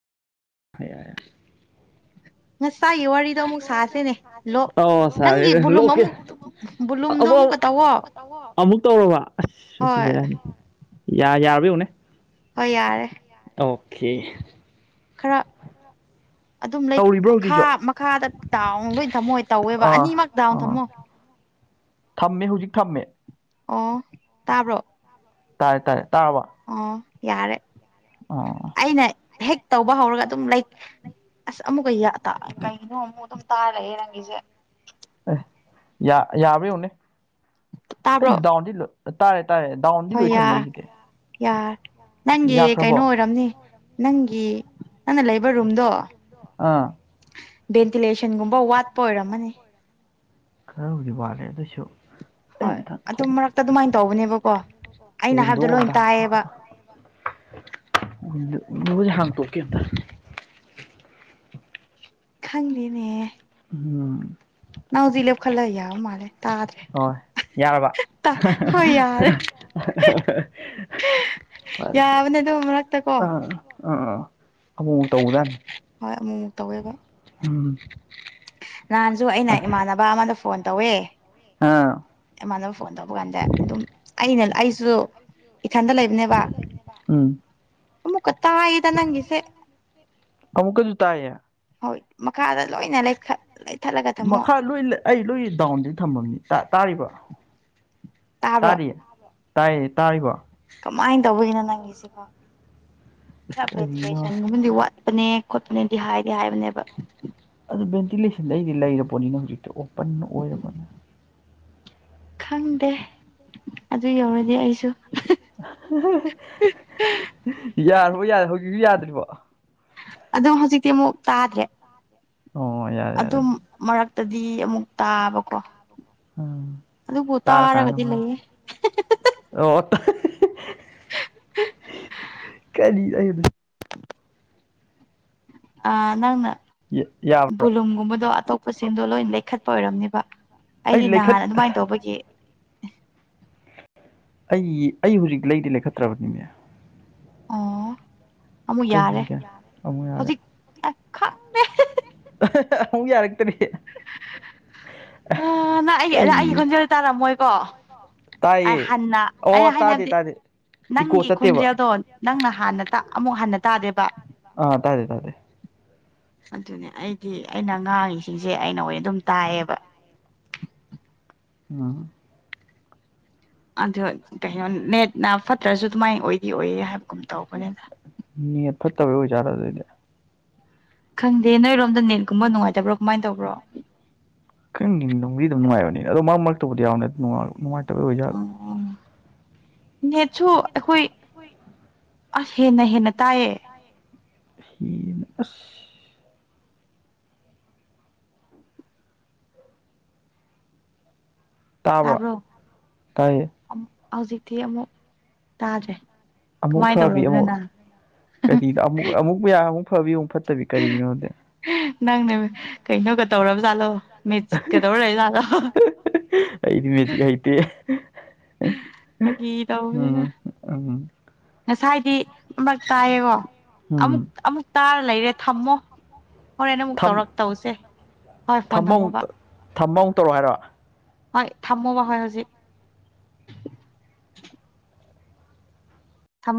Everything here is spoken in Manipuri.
[unintelligible] [unintelligible] ꯋꯥꯔꯤꯗꯣ ꯑꯃꯨꯛ ꯁꯥꯁꯤꯅꯦ ꯂꯣꯛ ꯑꯣꯎ ꯁꯔꯦ ꯅꯪꯒꯤ ꯕꯣꯂꯨꯝ ꯂꯣꯛ ꯑꯃꯨꯛ ꯕꯣꯂꯨꯝꯗꯣ ꯑꯃꯨꯛꯀ ꯇꯧꯋꯣ ꯑꯃꯨꯛ ꯇꯧꯔꯕ ꯑꯁ ꯉꯁꯤ ꯍꯣꯏ ꯕꯦꯔꯥꯅꯤ ꯌꯥ ꯌꯥꯔꯕ ꯌꯦꯉꯨꯅꯦ ꯍꯣꯏ ꯌꯥꯔꯦ ꯑꯣꯀꯦ ꯈꯔ ꯑꯗꯨꯝ ꯂꯩ ꯇꯧꯔꯤꯕ꯭ꯔꯣ ꯃꯈꯥ ꯍꯧꯖꯤꯛꯁꯨ ꯃꯈꯥꯗ ꯇꯥꯎꯟ ꯂꯣꯏ ꯊꯝꯃꯣ ꯇꯧꯋꯦꯕ ꯑꯥ ꯑꯅꯤꯃꯛ ꯗꯥꯎꯟ ꯑꯥ ꯊꯝꯃꯣ ꯊꯝꯃꯦ ꯍꯨꯖꯤꯛ ꯊꯝꯃꯦ ꯑꯣ ꯇꯥꯕ꯭ꯔꯣ ꯇꯥꯏ ꯇꯥꯏ ꯇꯥꯕ ꯑꯣ ꯌꯥꯔꯦ ꯑꯣ ꯑꯩꯅ ꯍꯦꯛ ꯇꯧꯕ ꯍꯧꯔꯒ ꯑꯗꯨꯝ ꯂꯥꯏꯛ ꯑꯁ ꯑꯃꯨꯛꯀꯩ ꯀꯩꯅꯣ ꯑꯃꯨꯛ ꯑꯗꯨꯝ ꯇꯥꯔꯛꯑꯦ ꯅꯪꯒꯤꯁꯦ ꯑꯦ ꯌꯥꯕ꯭ꯔ ꯌꯧꯅꯦ ꯇꯥꯕ꯭ꯔꯣ ꯑꯩꯗꯥꯎꯟꯗꯤ ꯇꯥꯔꯦ ꯇꯥꯔꯦ ꯗꯥꯎꯟꯗꯤ ꯍꯣꯏ ꯂꯣꯏ ꯊꯝꯃꯦ ꯌꯥꯔ ꯑꯩꯒꯤꯗꯤ ꯌꯥꯔꯦ ꯅꯪꯒꯤ ꯌꯥꯈ꯭ꯔꯕꯣ ꯀꯩꯅꯣ ꯑꯣꯏꯔꯝꯅꯤ ꯅꯪꯒꯤ ꯅꯪꯅ ꯂꯩꯕ ꯔꯨꯝꯗꯣ ꯑꯥ ꯚꯦꯟꯇꯤꯂꯦꯁꯟꯒꯨꯝꯕ ꯋꯥꯠꯄ ꯑꯣꯏꯔꯝꯃꯅꯤ ꯈꯔꯕꯨꯗꯤ ꯋꯥꯠꯂꯦ ꯑꯗꯨꯁꯨ ꯍꯣꯏ ꯑꯗꯨꯝ ꯃꯔꯛꯇ ꯑꯗꯨꯃꯥꯏꯅ ꯇꯧꯕꯅꯦꯕꯀꯣ ꯑꯩꯅ ꯍꯥꯏꯕꯗꯣ ꯂꯣꯏ ꯇꯥꯏꯌꯦꯕ ꯃꯖ ꯍꯪ ꯇꯣꯛ ꯀꯦꯗ ꯈꯪꯗꯦꯅꯦ ꯎꯝ ꯅꯥꯪꯗꯤꯂꯦꯞ ꯈꯜꯂ ꯌꯥꯕ ꯃꯥꯂꯦ ꯍꯣꯏ ꯌꯥꯔꯕ ꯍꯣꯏ ꯌꯥꯔꯦ ꯐꯔꯦꯔꯦ ꯌꯥꯕꯅꯦ ꯑꯗꯨ ꯃꯔꯛꯇ ꯀꯣ ꯑꯥ ꯑꯥ ꯑꯥ ꯑꯃꯨꯛ ꯇꯧꯕꯗꯥꯅꯤ ꯍꯣꯏ ꯑꯃꯨꯛꯃꯨꯛ ꯇꯧꯋꯦꯕ ꯎꯝ ꯅꯍꯥꯟꯁꯨ ꯑꯩꯅ ꯏꯃꯥꯟꯅꯕ ꯑꯃꯗ ꯐꯣꯟ ꯇꯧꯋꯦ ꯍꯥꯥ ꯑꯦꯃꯥꯟꯅꯕ ꯐꯣꯟ ꯇꯧꯕ ꯀꯥꯟꯗ ꯑꯗꯨꯝ ꯑꯩꯅ ꯑꯩꯁꯨ ꯏꯊꯟꯗ ꯂꯩꯕꯅꯦꯕ ꯎꯝ ꯑꯃꯨꯛꯀ ꯇꯥꯏꯌꯦꯗ ꯅꯪꯒꯤꯁꯦ ꯑꯃꯨꯛꯀꯖꯨ ꯇꯥꯢꯌꯦ ꯍꯣꯏ ꯃꯈꯥꯗ ꯂꯣꯏꯅ ꯂꯩꯈꯠ ꯂꯩꯊꯠꯂꯒ ꯊꯝꯃꯣ ꯃꯈꯥ ꯂꯣꯏ ꯑꯩ ꯂꯣꯏ ꯗꯥꯎꯟꯗꯤ ꯊꯝꯃꯅꯤ ꯇꯥ-ꯇꯥꯔꯤꯕ ꯇꯥꯔꯤꯕꯣ ꯇꯥꯕ꯭ꯔꯣ ꯇꯥꯔꯤ ꯇꯥꯏꯌꯦ ꯇꯥꯔꯤꯕꯣ ꯀꯃꯥꯏꯅ ꯇꯧꯕꯒꯤꯅꯣ ꯅꯪꯒꯤꯁꯤꯕꯣ ꯈꯔ ꯀꯔꯤꯅꯣ ꯚꯦꯇꯤꯂꯦꯁꯟꯒꯨꯝꯕꯨꯗꯤ ꯋꯥꯠꯄꯅꯦ ꯈꯣꯠꯄꯅꯦꯗꯤ ꯍꯥꯏꯗꯤ ꯍꯥꯏꯕꯅꯦꯕ ꯑꯗꯨ ꯚꯦꯟꯇꯤꯂꯦꯁꯟꯗꯤ ꯑꯩꯗꯤ ꯂꯩꯔ ꯄꯣꯠꯅꯤꯅ ꯍꯧꯖꯤꯛꯇꯤ ꯑꯣꯄꯟ ꯑꯣꯏꯔꯕꯅꯤ ꯈꯪꯗꯦ ꯑꯗꯨ ꯌꯧꯔꯗꯤ ꯑꯩꯁꯨ [unintelligible] ꯌꯥꯔꯕꯣ ꯌꯥꯔꯦ ꯍꯧꯖꯤꯁꯨ ꯌꯥꯗ꯭ꯔꯤꯕꯣ ꯑꯗꯨ ꯍꯧꯖꯤꯛꯇꯤ ꯑꯃꯨꯛ ꯇꯥꯗ꯭ꯔꯦ ꯑꯣ ꯌꯥꯔꯦ ꯌꯥꯔꯦ ꯑꯗꯨꯝ ꯃꯔꯛꯇꯗꯤ ꯑꯃꯨꯛ ꯇꯥꯕꯀꯣ ꯎꯝ ꯑꯗꯨꯕꯨ ꯇꯥꯔꯒꯗꯤ ꯂꯩꯌꯦ [unintelligible] ꯑꯣꯑꯣ [unintelligible] [unintelligible] ꯀꯔꯤ ꯑꯩꯅ ꯑ ꯅꯪꯅ ꯌꯥꯕ꯭ꯔꯥ ꯕꯨꯂꯨꯝꯒꯨꯝꯕꯗꯣ ꯑꯇꯣꯞ ꯄꯥꯁꯤꯡꯗꯣ ꯂꯣꯏꯅ ꯂꯩꯈꯠꯄ ꯑꯣꯏꯔꯝꯅꯤꯕ ꯑꯩ ꯑꯩꯗꯤ ꯂꯩꯈꯠ ꯅꯍꯥꯟ ꯑꯗꯨꯃꯥꯏꯅ ꯇꯧꯕꯒꯤ ꯑꯩꯢ ꯑꯩ ꯍꯧꯖꯤꯛ ꯂꯩꯗꯤ ꯂꯩꯈꯠꯇ꯭ꯔꯕꯅꯤꯅꯦ ꯑꯣ ꯑꯃꯨꯛ ꯀꯩ ꯌꯥꯔꯦ ꯍꯧꯖꯤꯛ ꯑꯃꯨꯛ ꯌꯥꯔꯦ ꯍꯧꯖꯤꯛ ꯑ ꯈ [unintelligible] ꯑꯃꯨꯛ ꯌꯥꯔꯛꯇꯔꯤ [unintelligible] [unintelligible] ꯍ ꯅꯪ ꯑꯩꯒꯤ ꯑꯩꯒꯤ ꯀꯔꯤ ꯈꯣꯟꯖꯦꯜ ꯇꯥꯔꯝꯃꯣꯏꯀꯣ ꯇꯥꯏꯌꯦ ꯑꯩ ꯍꯟꯅ ꯑꯣ ꯑꯩꯅ ꯍꯥꯏꯅ ꯇꯥꯗꯦ ꯍꯥꯏꯕꯗꯤ ꯇꯥꯗꯦ ꯏꯀꯣ ꯅꯪꯒꯤ ꯆꯠꯇꯦꯕ ꯈꯣꯟꯖꯦꯜꯗꯣ ꯅꯪꯅ ꯍꯥꯟꯅ ꯇꯥ ꯑꯃꯨꯛ ꯍꯟꯅ ꯇꯥꯗꯦꯕ ꯑ ꯇꯗꯦ ꯇꯗꯦ ꯑꯗꯨꯅꯦ ꯑꯩꯗꯤ ꯑꯩꯅ ꯉꯥꯡꯉꯤꯁꯤꯡꯁꯦ ꯑꯩꯅ ꯑꯣꯢ ꯑꯗꯨꯝ ꯇꯥꯏꯌꯦꯕ [unintelligible] ꯑꯗꯨ ꯀꯩꯅꯣ ꯅꯦꯠꯅ ꯐꯠꯇ꯭ꯔꯁꯨ ꯑꯗꯨꯃꯥꯏ ꯑꯣꯏꯗꯤ ꯑꯣꯏꯌꯦ ꯍꯥꯏꯒꯨꯝ ꯇꯧꯕꯅꯤꯗ ꯅꯦꯠ ꯐꯠꯇꯕꯩ ꯑꯣꯏꯖꯥꯠꯂ ꯑꯗꯨꯗꯤ ꯈꯪꯗꯦ ꯅꯣꯏꯔꯣꯝꯗ ꯅꯦꯠꯀꯨꯝꯕ ꯅꯨꯡꯉꯥꯏꯇꯕ꯭ꯔꯣ ꯀꯃꯥꯏ ꯇꯧꯕ꯭ꯔꯣ ꯈꯪꯗꯦ ꯅꯨꯡꯗꯤ ꯑꯗꯨꯝ ꯅꯨꯡꯉꯥꯏꯕꯅꯤ ꯑꯗꯣ ꯃꯔꯛ ꯃꯔꯛꯇꯕꯨꯗꯤ ꯌꯥꯎꯅꯦ ꯅꯨꯡꯉꯥꯢ ꯅꯨꯡꯉꯥꯢꯇꯕꯩ ꯑꯣꯏꯖꯥꯠꯂꯥ ꯑꯣ ꯅꯦꯠꯁꯨ ꯑꯩꯈꯣꯏ ꯑꯁ ꯍꯦꯟꯅ ꯍꯦꯟꯅ ꯇꯥꯏꯌꯦ ꯐꯤꯅ ꯑꯁ ꯇꯥꯕ꯭ꯔꯣ ꯇꯥꯏꯌꯦ ꯑꯃꯨꯛ ꯍꯧꯖꯤꯛꯇꯤ ꯑꯃꯨꯛ ꯇꯥꯗ꯭ꯔꯦ ꯑꯃꯨꯛ ꯀꯃꯥꯏꯅ ꯐꯕꯤ ꯇꯧꯔꯕꯅꯣ ꯑꯃꯨꯛ ꯅꯪ ꯀꯔꯤꯗ ꯑꯃꯨꯛ ꯑꯃꯨꯛ ꯌꯥ ꯑꯃꯨꯛ ꯐꯕꯤ ꯑꯃꯨꯛ ꯐꯠꯇꯕꯤ ꯀꯔꯤꯒꯤꯅꯣ ꯗꯦ ꯅꯪꯅ ꯀꯩꯅꯣꯒ ꯇꯧꯔꯕꯖꯥꯠꯂꯣ ꯃꯦꯖꯤꯛꯀ ꯇꯧꯔꯂꯩꯖꯥꯠꯂꯣ ꯑꯩꯗꯤ ꯃꯦꯖꯤꯛ ꯍꯩꯇꯦ ꯐꯥꯒꯤ ꯇꯧꯕꯅꯤꯗ ꯑꯨꯡ ꯉꯁꯥꯏꯗꯤ ꯑꯃꯔꯛ ꯇꯥꯏꯌꯦꯒꯣ ꯎꯝ ꯑꯃꯨꯛ ꯑꯃꯨꯛ ꯇꯥꯔ ꯂꯩꯔꯦ ꯊꯝꯃꯣ ꯍꯣꯔꯦꯟ ꯑꯃꯨꯛ ꯊꯝ ꯇꯧꯔꯛ ꯇꯧꯁꯦ ꯍꯣꯏ ꯐꯣꯟ ꯊꯝꯃ ꯑꯃꯨꯛ ꯊꯝꯃꯣꯕ ꯊꯝꯃ ꯑꯃꯨꯛ ꯇꯧꯔꯛꯎ ꯍꯥꯏꯔꯣ ꯍꯣꯏ ꯊꯝꯃꯣꯕ ꯍꯣꯏ ꯍꯨꯖꯤꯛ ꯊꯝ